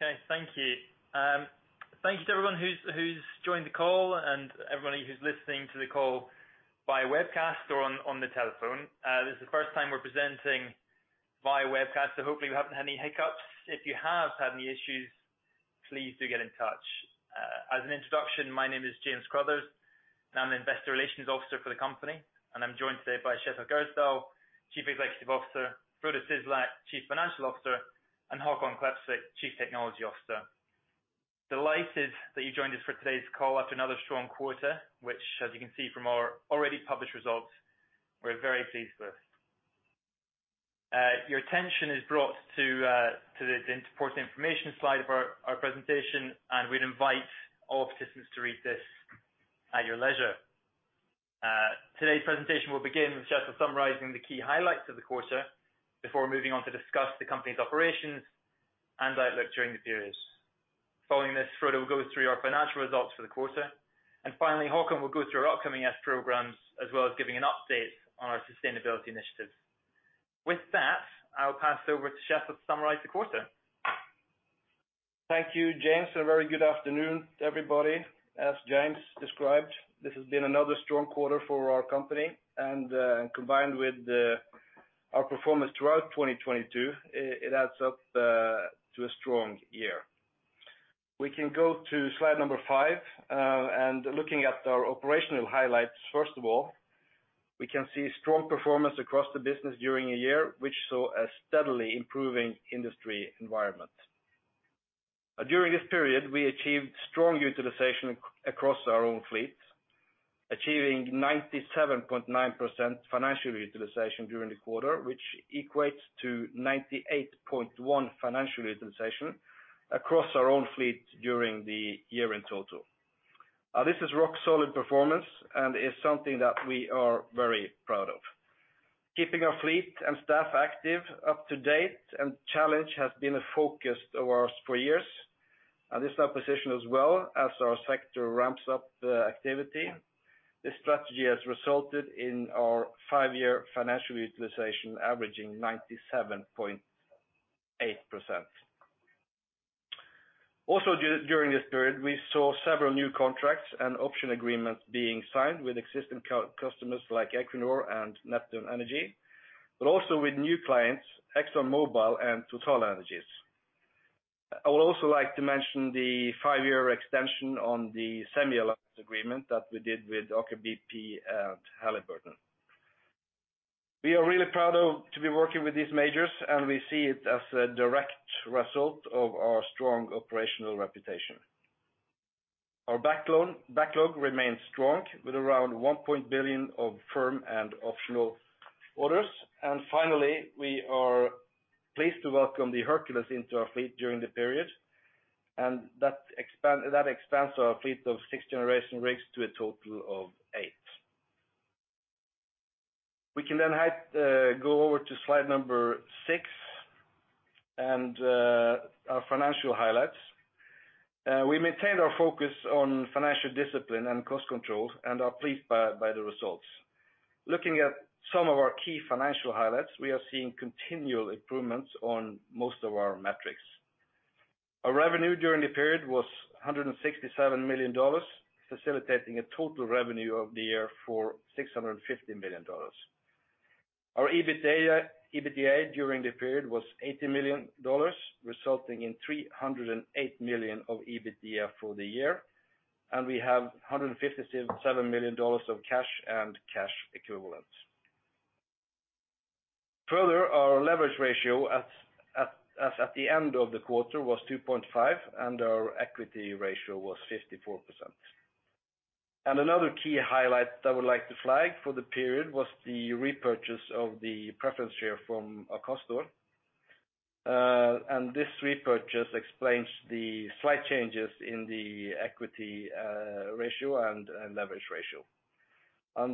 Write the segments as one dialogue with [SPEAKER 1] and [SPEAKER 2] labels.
[SPEAKER 1] Okay, thank you. Thank you to everyone who's joined the call and everybody who's listening to the call via webcast or on the telephone. This is the first time we're presenting via webcast, so hopefully we haven't had any hiccups. If you have had any issues, please do get in touch. As an introduction, my name is James Crothers, and I'm the investor relations officer for the company, and I'm joined today by Kjetil Gjersdal, Chief Executive Officer, Frode Syslak, Chief Financial Officer, and Håkon Klepsvik, Chief Technology Officer. Delighted that you joined us for today's call after another strong quarter, which as you can see from our already published results, we're very pleased with. Your attention is brought to the important information slide of our presentation, and we'd invite all participants to read this at your leisure. Today's presentation will begin with Kjetil summarizing the key highlights of the quarter before moving on to discuss the company's operations and outlook during the period. Following this, Frode will go through our financial results for the quarter. Finally, Håkon will go through our upcoming programs as well as giving an update on our sustainability initiatives. With that, I'll pass over to Kjetil to summarize the quarter.
[SPEAKER 2] Thank you, James. A very good afternoon to everybody. As James described, this has been another strong quarter for our company, and combined with our performance throughout 2022, it adds up to a strong year. We can go to slide number 5, and looking at our operational highlights, first of all, we can see strong performance across the business during a year, which saw a steadily improving industry environment. During this period, we achieved strong utilization across our own fleet, achieving 97.9% financial utilization during the quarter, which equates to 98.1% financial utilization across our own fleet during the year in total. This is rock solid performance and is something that we are very proud of. Keeping our fleet and staff active up to date and challenge has been a focus of ours for years. This is our position as well as our sector ramps up activity. This strategy has resulted in our five-year financial utilization averaging 97.8%. During this period, we saw several new contracts and option agreements being signed with existing customers like Equinor and Neptune Energy, but also with new clients, ExxonMobil and TotalEnergies. I would also like to mention the five-year extension on the Semi Alliance agreement that we did with Aker BP and Halliburton. We are really proud of to be working with these majors, and we see it as a direct result of our strong operational reputation. Our backlog remains strong with around $1 billion of firm and optional orders. Finally, we are pleased to welcome the Hercules into our fleet during the period. That expands our fleet of sixth-generation rigs to a total of 8. We can then go over to slide number 6 and our financial highlights. We maintained our focus on financial discipline and cost control and are pleased by the results. Looking at some of our key financial highlights, we are seeing continual improvements on most of our metrics. Our revenue during the period was $167 million, facilitating a total revenue of the year for $650 million. Our EBITDA during the period was $80 million, resulting in $308 million of EBITDA for the year. We have $157 million of cash and cash equivalents. Further, our leverage ratio as at the end of the quarter was 2.5, and our equity ratio was 54%. Another key highlight I would like to flag for the period was the repurchase of the preference share from our customer. This repurchase explains the slight changes in the equity ratio and leverage ratio.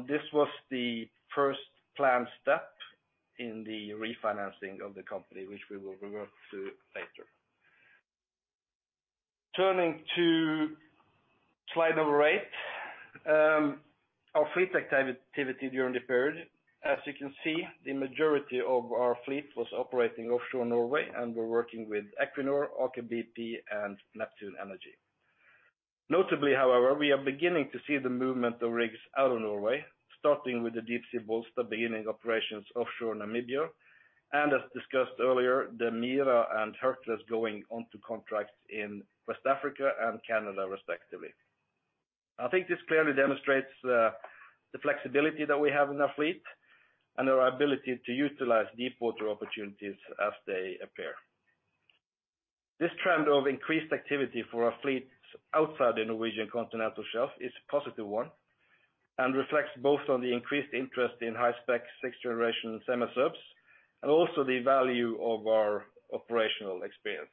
[SPEAKER 2] This was the first planned step in the refinancing of the company, which we will revert to later. Turning to slide number 8, our fleet activity during the period. As you can see, the majority of our fleet was operating offshore Norway, and we're working with Equinor, Aker BP, and Neptune Energy. Notably, however, we are beginning to see the movement of rigs out of Norway, starting with the Deepsea Bollsta beginning operations offshore Namibia, and as discussed earlier, the Mira and Hercules going on to contracts in West Africa and Canada, respectively. I think this clearly demonstrates the flexibility that we have in our fleet and our ability to utilize deepwater opportunities as they appear. This trend of increased activity for our fleets outside the Norwegian Continental Shelf is a positive one and reflects both on the increased interest in high-spec sixth-generation semisubs and also the value of our operational experience.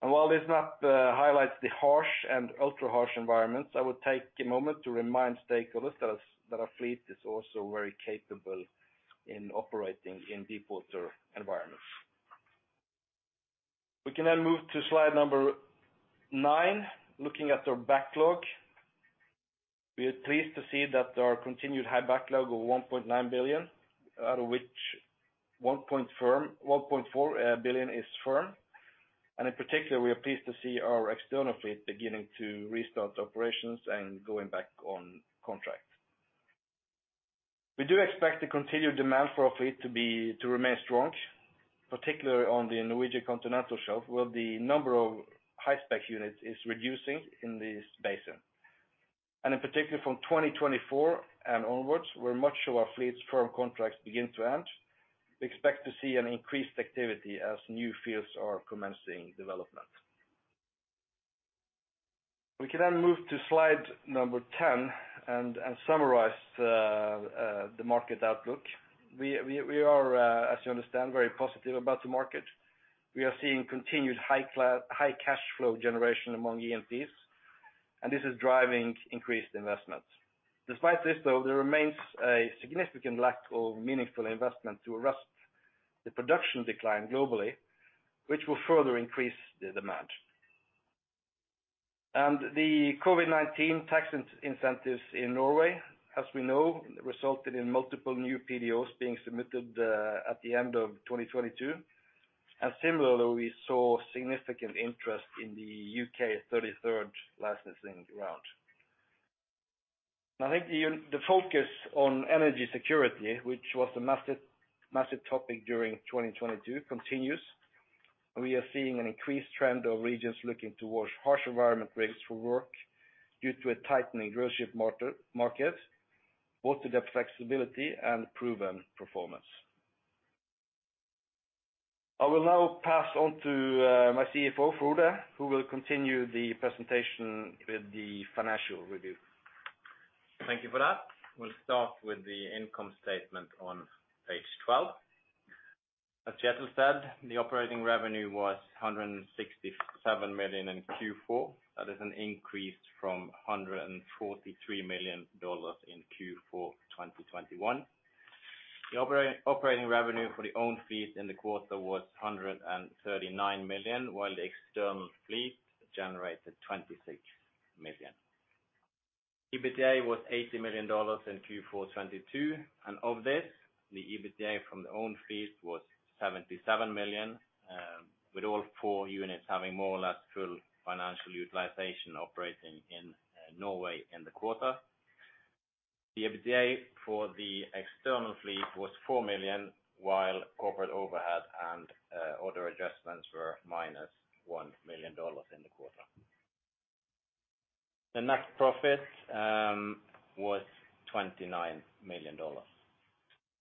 [SPEAKER 2] While this map highlights the harsh and ultra-harsh environments, I would take a moment to remind stakeholders that our fleet is also very capable in operating in deepwater environments. We can then move to slide number 9, looking at our backlog. We are pleased to see that our continued high backlog of $1.9 billion, out of which $1.4 billion is firm. In particular, we are pleased to see our external fleet beginning to restart operations and going back on contract. We do expect the continued demand for our fleet to remain strong, particularly on the Norwegian Continental Shelf, where the number of high-spec units is reducing in this basin. In particular, from 2024 and onwards, where much of our fleet's firm contracts begin to end, we expect to see an increased activity as new fields are commencing development. We can then move to slide number 10 and summarize the market outlook. We are, as you understand, very positive about the market. We are seeing continued high cash flow generation among E&Ps, and this is driving increased investments. Despite this though, there remains a significant lack of meaningful investment to arrest the production decline globally, which will further increase the demand. The COVID-19 tax incentives in Norway, as we know, resulted in multiple new PDOs being submitted at the end of 2022. Similarly, we saw significant interest in the U.K. 33rd licensing round. I think the focus on energy security, which was a massive topic during 2022 continues. We are seeing an increased trend of regions looking towards harsh environment rigs for work due to a tightening drillship market, both to their flexibility and proven performance. I will now pass on to my CFO, Frode, who will continue the presentation with the financial review.
[SPEAKER 3] Thank you for that. We'll start with the income statement on page 12. As Kjetil said, the operating revenue was $167 million in Q4. That is an increase from $143 million in Q4 2021. The operating revenue for the own fleet in the quarter was $139 million, while the external fleet generated $26 million. EBITDA was $80 million in Q4 2022. Of this, the EBITDA from the own fleet was $77 million, with all four units having more or less full financial utilization operating in Norway in the quarter. The EBITDA for the external fleet was $4 million, while corporate overhead and other adjustments were minus $1 million in the quarter. The net profit was $29 million.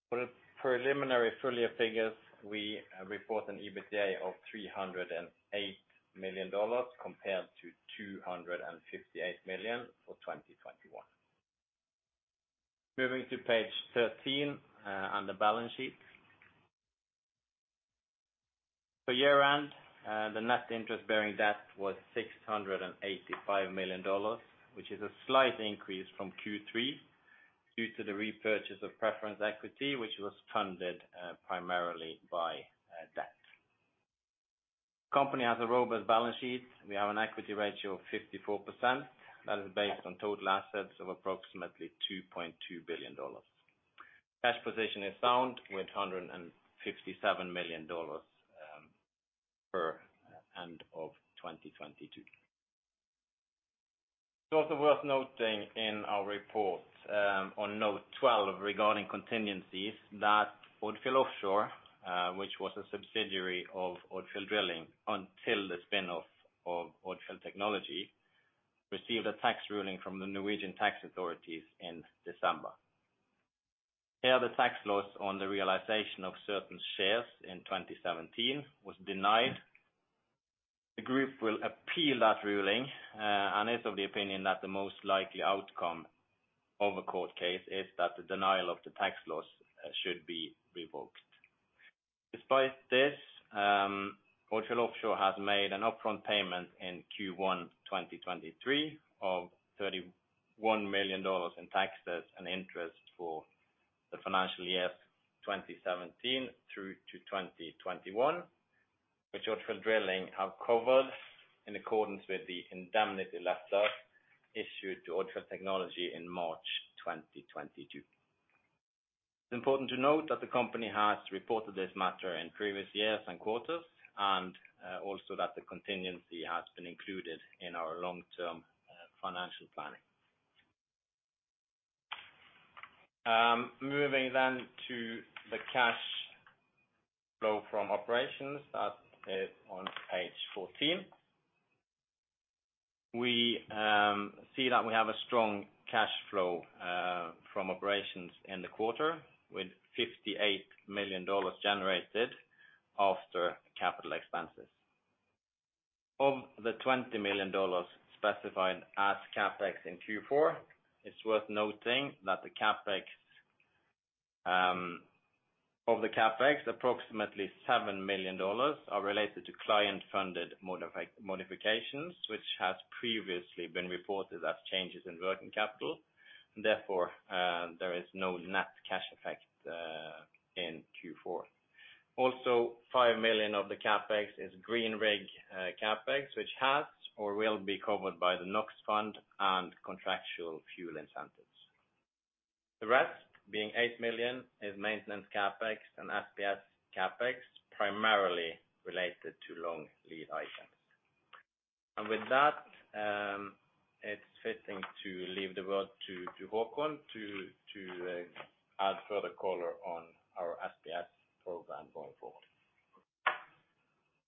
[SPEAKER 3] For the preliminary full year figures, we report an EBITDA of $308 million compared to $258 million for 2021. Moving to page 13, on the balance sheet. For year-end, the net interest-bearing debt was $685 million, which is a slight increase from Q3 due to the repurchase of preference equity, which was funded primarily by debt. Company has a robust balance sheet. We have an equity ratio of 54%. That is based on total assets of approximately $2.2 billion. Cash position is sound with $157 million, per end of 2022. It's also worth noting in our report, on note 12 regarding contingencies that Odfjell Offshore, which was a subsidiary of Odfjell Drilling until the spin-off of Odfjell Technology, received a tax ruling from the Norwegian tax authorities in December. Here, the tax loss on the realization of certain shares in 2017 was denied. The group will appeal that ruling, and is of the opinion that the most likely outcome of a court case is that the denial of the tax loss should be revoked. Despite this, Odfjell Offshore has made an upfront payment in Q1 2023 of $31 million in taxes and interest for the financial years 2017 through to 2021, which Odfjell Drilling have covered in accordance with the indemnity letter issued to Odfjell Technology in March 2022. It's important to note that the company has reported this matter in previous years and quarters, and also that the contingency has been included in our long-term financial planning. Moving then to the cash flow from operations. That is on page 14. We see that we have a strong cash flow from operations in the quarter, with $58 million generated after capital expenses. Of the $20 million specified as CapEx in Q4, it's worth noting that the CapEx, of the CapEx, approximately $7 million are related to client-funded modifications, which has previously been reported as changes in working capital. Therefore, there is no net cash effect in Q4. Five million of the CapEx is Green Rig CapEx, which has or will be covered by the NOx Fund and contractual fuel incentives. The rest, being $8 million, is maintenance CapEx and SPS CapEx, primarily related to long lead items. With that, it's fitting to leave the word to Håkon to add further color on our SPS program going forward.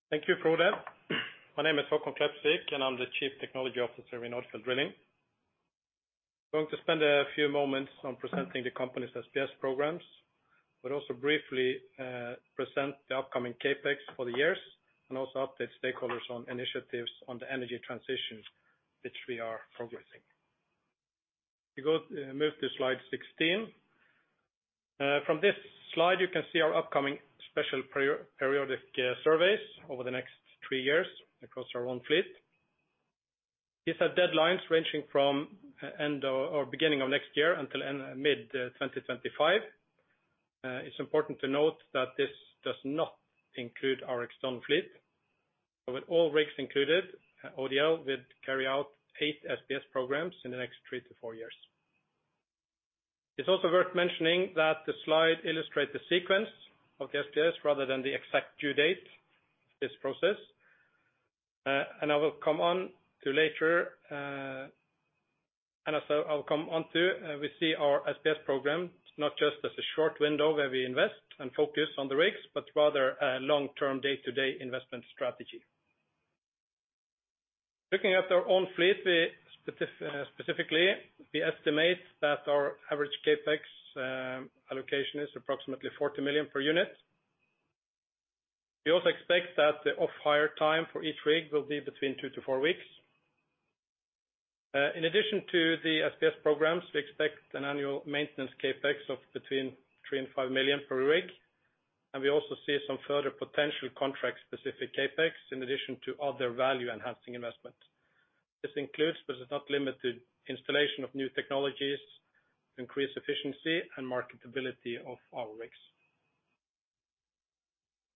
[SPEAKER 4] Thank you, Frode. My name is Håkon Klepsvik, and I'm the Chief Technology Officer in Odfjell Drilling. I'm going to spend a few moments on presenting the company's SPS programs, but also briefly present the upcoming CapEx for the years and also update stakeholders on initiatives on the energy transition which we are progressing. If you move to slide 16. From this slide, you can see our upcoming special periodic surveys over the next 3 years across our own fleet. These are deadlines ranging from end or beginning of next year until mid-2025. It's important to note that this does not include our external fleet. With all rigs included, ODL would carry out 8 SPS programs in the next 3 to 4 years. It's also worth mentioning that the slide illustrates the sequence of the SPS rather than the exact due date of this process. I will come on to later, and also I'll come on to, we see our SPS program not just as a short window where we invest and focus on the rigs, but rather a long-term day-to-day investment strategy. Looking at our own fleet, we specifically estimate that our average CapEx allocation is approximately $40 million per unit. We also expect that the off-hire time for each rig will be between two to four weeks. In addition to the SPS programs, we expect an annual maintenance CapEx of between $3 million and $5 million per rig. We also see some further potential contract-specific CapEx in addition to other value-enhancing investment. This includes, but is not limited, installation of new technologies to increase efficiency and marketability of our rigs.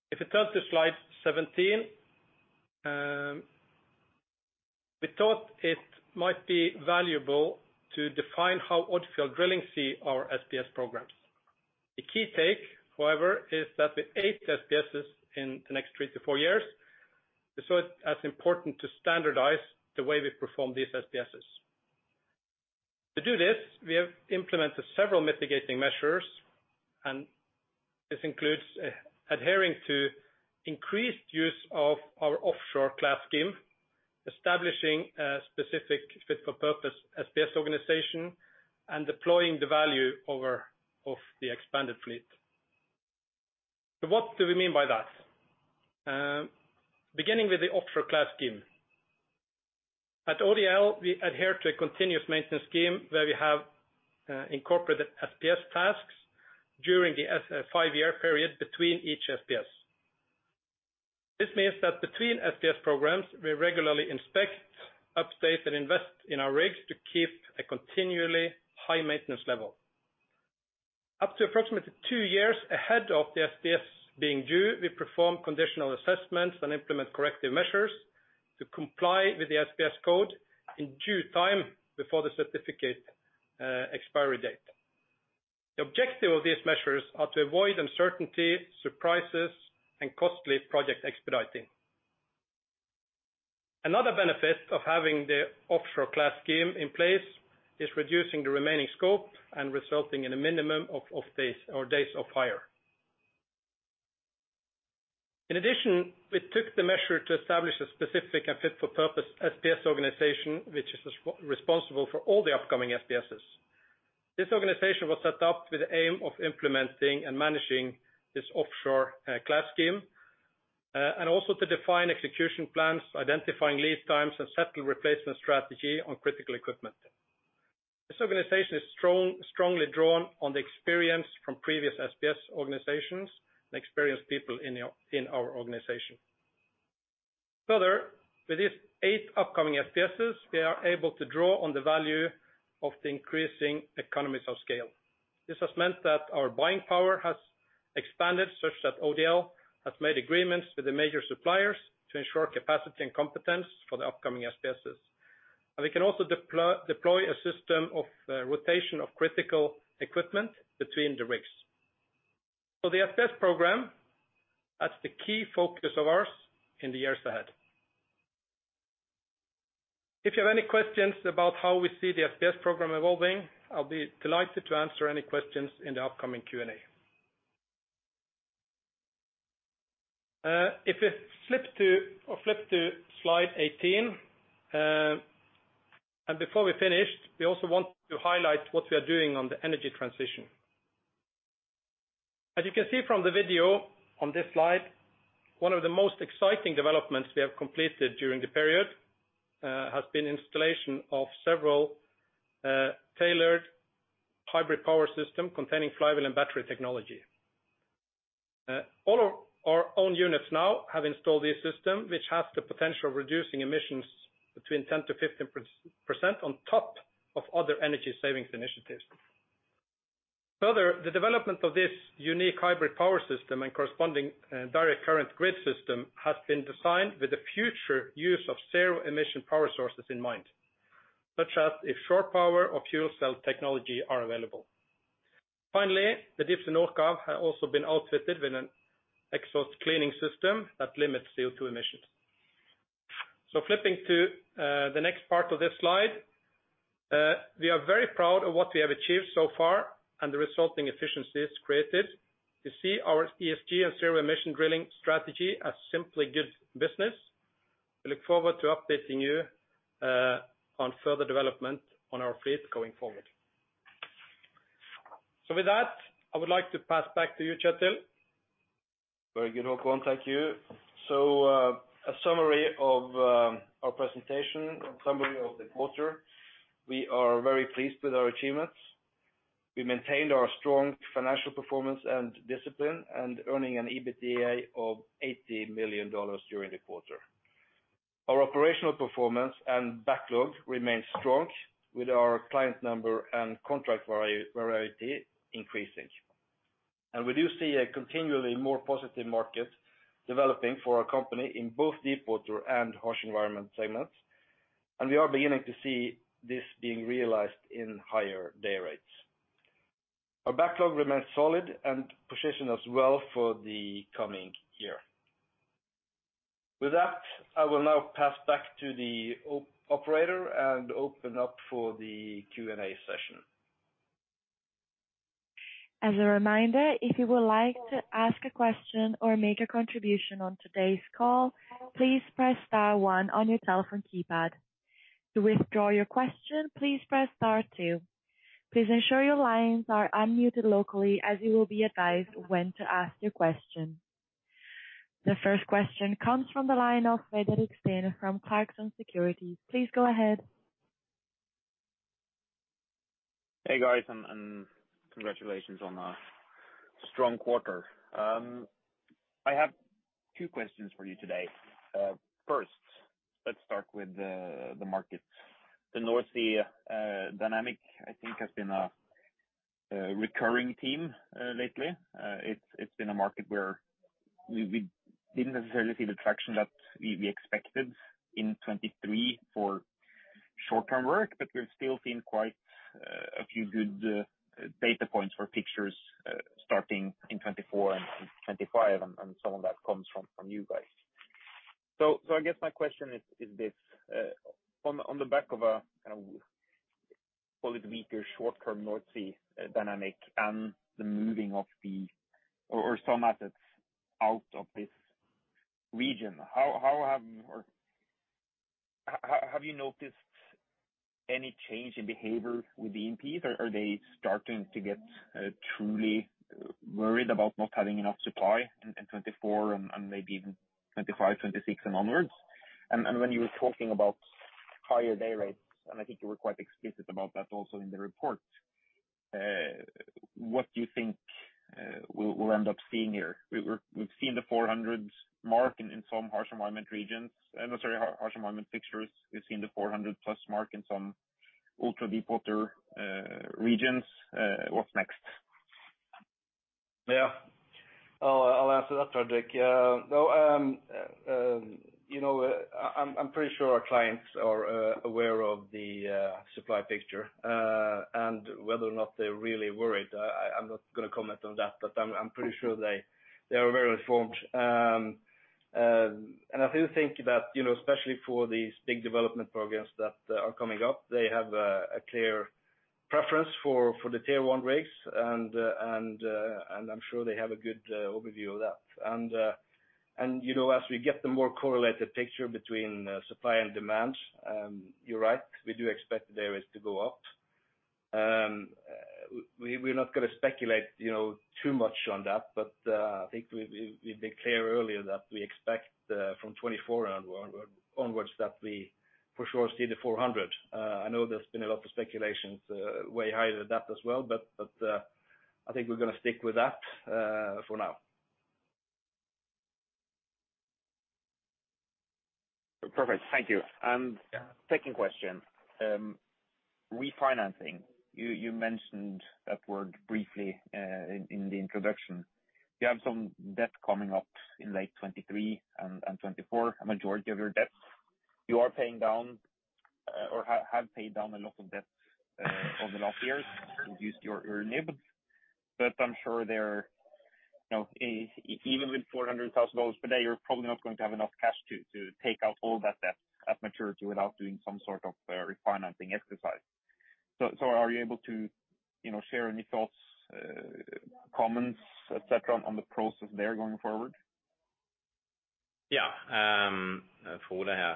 [SPEAKER 4] If you turn to slide 17, we thought it might be valuable to define how Odfjell Drilling see our SPS programs. The key take, however, is that with 8 SPSs in the next 3-4 years, we saw it as important to standardize the way we perform these SPSs. To do this, we have implemented several mitigating measures, and this includes adhering to increased use of our offshore classification scheme, establishing a specific fit for purpose SPS organization, and deploying the value over of the expanded fleet. What do we mean by that? Beginning with the offshore classification scheme. At ODL, we adhere to a continuous maintenance scheme where we have incorporated SPS tasks during the 5-year period between each SPS. This means that between SPS programs, we regularly inspect, update, and invest in our rigs to keep a continually high maintenance level. Up to approximately two years ahead of the SPS being due, we perform conditional assessments and implement corrective measures to comply with the SPS code in due time before the certificate expiry date. The objective of these measures are to avoid uncertainty, surprises, and costly project expediting. Another benefit of having the offshore class scheme in place is reducing the remaining scope and resulting in a minimum of off days or days off-hire. In addition, we took the measure to establish a specific and fit for purpose SPS organization which is responsible for all the upcoming SPSs. This organization was set up with the aim of implementing and managing this offshore class scheme and also to define execution plans, identifying lead times, and settle replacement strategy on critical equipment. This organization has strongly drawn on the experience from previous SPS organizations and experienced people in our organization. Further, with these eight upcoming SPSs, we are able to draw on the value of the increasing economies of scale. This has meant that our buying power has expanded such that ODL has made agreements with the major suppliers to ensure capacity and competence for the upcoming SPSs. We can also deploy a system of rotation of critical equipment between the rigs. The SPS program, that's the key focus of ours in the years ahead. If you have any questions about how we see the SPS program evolving, I'll be delighted to answer any questions in the upcoming Q&A. If you flip to slide 18. Before we finish, we also want to highlight what we are doing on the energy transition. As you can see from the video on this slide, one of the most exciting developments we have completed during the period, has been installation of several tailored hybrid power system containing flywheel and battery technology. All of our own units now have installed this system which has the potential of reducing emissions between 10% to 15% on top of other energy savings initiatives. Further, the development of this unique hybrid power system and corresponding direct current grid system has been designed with the future use of zero emission power sources in mind, such as if shore power or fuel cell technology are available. Finally, the Deepsea Nordkapp have also been outfitted with an exhaust cleaning system that limits CO2 emissions. Flipping to the next part of this slide, we are very proud of what we have achieved so far and the resulting efficiencies created. We see our ESG and zero emission drilling strategy as simply good business. We look forward to updating you on further development on our fleet going forward. With that, I would like to pass back to you, Kjetil.
[SPEAKER 2] Very good, Håkon. Thank you. A summary of our presentation and summary of the quarter. We are very pleased with our achievements. We maintained our strong financial performance and discipline and earning an EBITDA of $80 million during the quarter. Our operational performance and backlog remains strong with our client number and contract variability increasing. We do see a continually more positive market developing for our company in both deep water and harsh environment segments, and we are beginning to see this being realized in higher day rates. Our backlog remains solid and position us well for the coming year. With that, I will now pass back to the operator and open up for the Q&A session.
[SPEAKER 5] As a reminder, if you would like to ask a question or make a contribution on today's call, please press star 1 on your telephone keypad. To withdraw your question, please press star 2. Please ensure your lines are unmuted locally as you will be advised when to ask your question. The first question comes from the line of Fredrik Stene from Clarksons Securities. Please go ahead.
[SPEAKER 6] Hey, guys, congratulations on a strong quarter. I have two questions for you today. First, let's start with the market. The North Sea dynamic, I think, has been a recurring theme lately. It's been a market where we didn't necessarily see the traction that we expected in 2023 for short-term work, but we've still seen quite a few good data points for pictures starting in 2024 and 2025, and some of that comes from you guys. I guess my question is this, on the back of a kind of call it weaker short-term North Sea dynamic and the moving of or some assets out of this region, how have you noticed any change in behavior with the E&Ps? Are they starting to get truly worried about not having enough supply in 2024 and maybe even 2025, 2026 and onwards? When you were talking about higher day rates, and I think you were quite explicit about that also in the report, what do you think we'll end up seeing here? We've seen the 400 mark in some harsh environment regions. Sorry, harsh environment fixtures. We've seen the 400 plus mark in some ultra deep water regions. What's next?
[SPEAKER 2] Yeah. I'll answer that, Fredrik. Yeah. No, you know, I'm pretty sure our clients are aware of the supply picture and whether or not they're really worried, I'm not gonna comment on that, but I'm pretty sure they are very informed. I do think that, you know, especially for these big development programs that are coming up, they have a clear preference for the tier one rigs, and I'm sure they have a good overview of that. You know, as we get the more correlated picture between supply and demand, you're right, we do expect the day rates to go up. We're not gonna speculate, you know, too much on that, but I think we've been clear earlier that we expect from 2024 onwards that we for sure see the $400. I know there's been a lot of speculations way higher than that as well, but I think we're gonna stick with that for now.
[SPEAKER 6] Perfect. Thank you. Second question, refinancing. You mentioned that word briefly in the introduction. You have some debt coming up in late 2023 and 2024. A majority of your debts you are paying down or have paid down a lot of debt over the last years, reduced your NIBD. I'm sure there, you know, even with $400,000 per day, you're probably not going to have enough cash to take out all that debt at maturity without doing some sort of refinancing exercise. Are you able to, you know, share any thoughts, comments, et cetera, on the process there going forward?
[SPEAKER 2] Yeah. For the,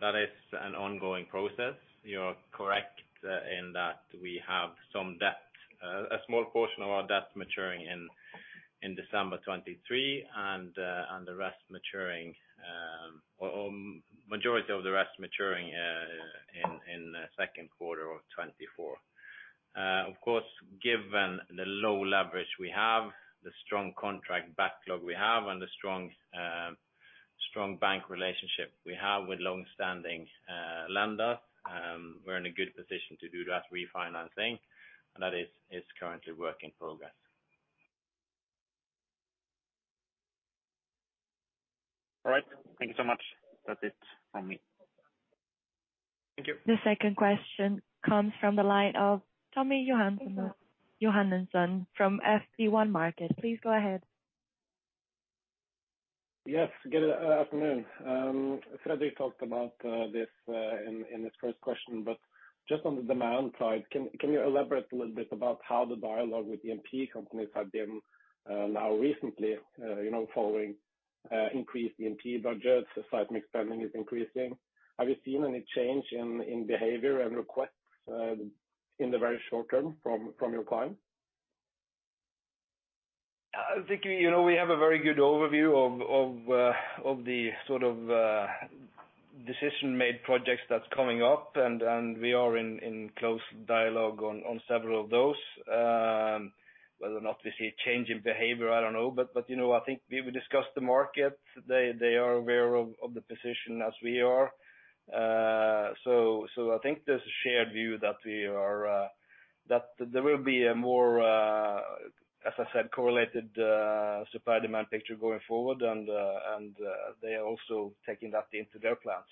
[SPEAKER 2] that is an ongoing process. You are correct, in that we have some debt, a small portion of our debt maturing in December 2023, and the rest maturing, or majority of the rest maturing in the Q2 of 2024. Of course, given the low leverage we have, the strong contract backlog we have, and the strong bank relationship we have with longstanding lenders, we're in a good position to do that refinancing, and that is currently work in progress. All right.
[SPEAKER 6] Thank you so much. That's it from me.
[SPEAKER 2] Thank you.
[SPEAKER 5] The second question comes from the line of Tommy Johannessen from Fearnley Securities. Please go ahead.
[SPEAKER 7] Yes. Good afternoon. Fredrik talked about this in his first question, but just on the demand side, can you elaborate a little bit about how the dialogue with E&P companies have been now recently, you know, following increased E&P budgets, seismic spending is increasing? Have you seen any change in behavior and requests in the very short term from your clients?
[SPEAKER 2] I think, you know, we have a very good overview of the sort of decision made projects that's coming up and we are in close dialogue on several of those. Whether or not we see a change in behavior, I don't know. You know, I think we will discuss the market. They are aware of the position as we are. I think there's a shared view that we are that there will be a more as I said, correlated supply demand picture going forward and they are also taking that into their plans.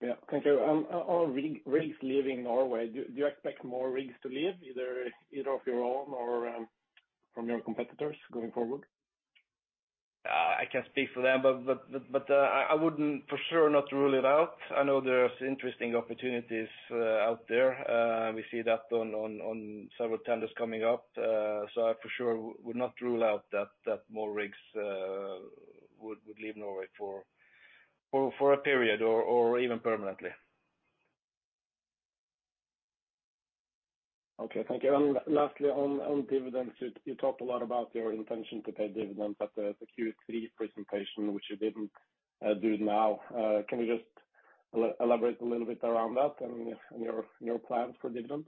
[SPEAKER 7] Yeah. Thank you. Rigs leaving Norway, do you expect more rigs to leave either of your own or from your competitors going forward?
[SPEAKER 2] I can't speak for them, but I wouldn't for sure not rule it out. I know there's interesting opportunities out there. We see that on several tenders coming up. I for sure would not rule out that more rigs would leave Norway for a period or even permanently.
[SPEAKER 7] Okay. Thank you. Lastly, on dividends, you talked a lot about your intention to pay dividends at the Q three presentation, which you didn't do now. Can you just elaborate a little bit around that and your plans for dividends?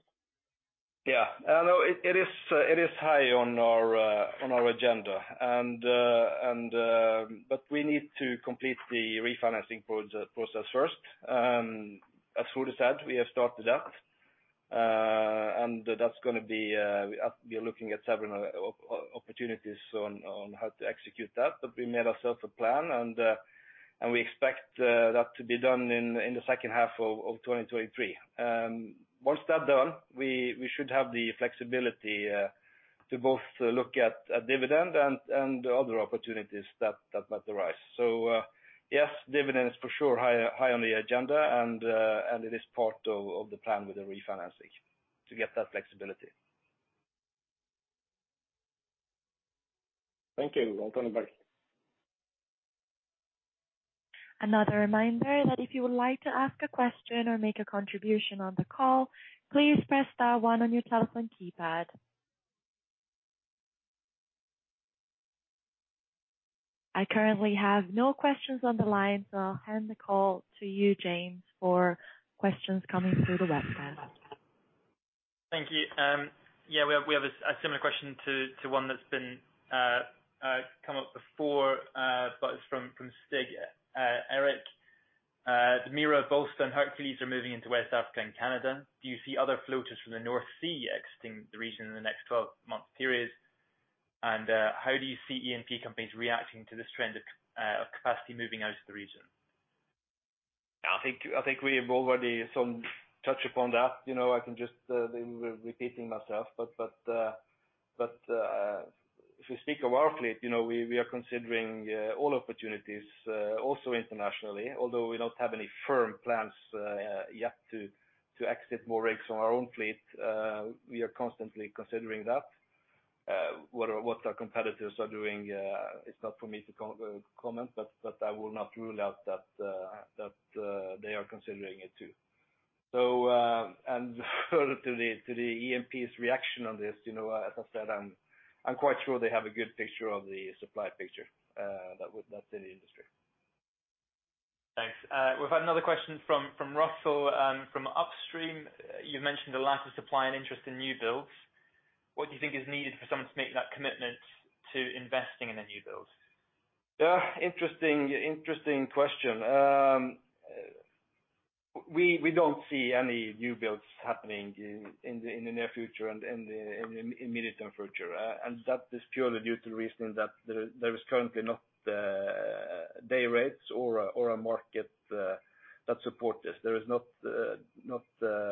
[SPEAKER 2] Yeah. No, it is high on our agenda. We need to complete the refinancing process first. As Frode said, we have started that, and that's gonna be, we are looking at several opportunities on how to execute that. We made ourselves a plan and we expect that to be done in the H2 of 2023. Once that done, we should have the flexibility to both look at a dividend and other opportunities that might arise. Yes, dividend is for sure high on the agenda and it is part of the plan with the refinancing to get that flexibility.
[SPEAKER 7] Thank you. Welcome back.
[SPEAKER 5] Another reminder that if you would like to ask a question or make a contribution on the call, please press star one on your telephone keypad. I currently have no questions on the line. I'll hand the call to you, James, for questions coming through the website.
[SPEAKER 1] Thank you. Yeah, we have a similar question to one that's been come up before, but it's from Stig Erik. The Mira, Bollsta, Hercules are moving into West Africa and Canada. Do you see other floaters from the North Sea exiting the region in the next 12-month period? How do you see E&P companies reacting to this trend of capacity moving out of the region?
[SPEAKER 2] I think we have already some touch upon that. You know, I can just repeating myself, but if you speak of our fleet, you know, we are considering all opportunities also internationally. Although we don't have any firm plans yet to exit more rigs from our own fleet, we are constantly considering that. What our competitors are doing, it's not for me to comment, but I will not rule out that they are considering it too. And further to the E&P's reaction on this, you know, as I said, I'm quite sure they have a good picture of the supply picture that's in the industry.
[SPEAKER 1] Thanks. We've had another question from Russell, from Upstream. You've mentioned a lack of supply and interest in new builds. What do you think is needed for someone to make that commitment to investing in a new build?
[SPEAKER 2] interesting question. We don't see any new builds happening in the near future and in the immediate term future. That is purely due to the reason that there is currently not day rates or a market that support this. There is not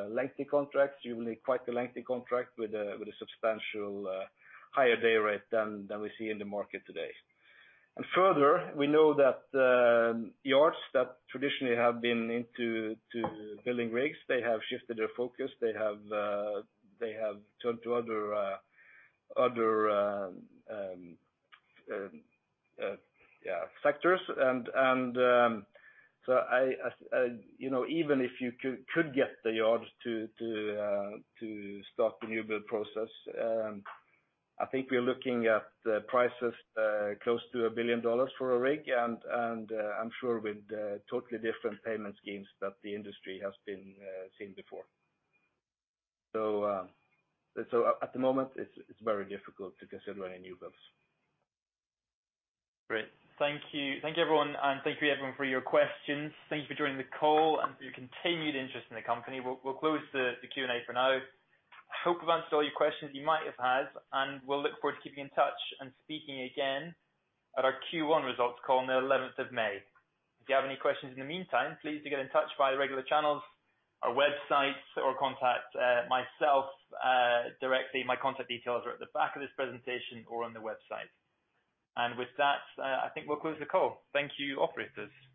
[SPEAKER 2] lengthy contracts. You will need quite a lengthy contract with a substantial higher day rate than we see in the market today. And further, we know that yards that traditionally have been into building rigs, they have shifted their focus. They have turned to other, yeah, sectors and so I, you know, even if you could get the yards to start the new build process, I think we're looking at prices close to $1 billion for a rig and I'm sure with totally different payment schemes that the industry has been seen before. At the moment it's very difficult to consider any new builds.
[SPEAKER 1] Great. Thank you. Thank you, everyone, and thank you everyone for your questions. Thank you for joining the call and for your continued interest in the company. We'll close the Q&A for now. I hope I've answered all your questions you might have had, and we'll look forward to keeping in touch and speaking again at our Q1 results call on the 11th of May. If you have any questions in the meantime, please do get in touch via regular channels, our website, or contact myself directly. My contact details are at the back of this presentation or on the website. With that, I think we'll close the call. Thank you, operators.